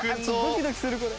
ドキドキするこれ。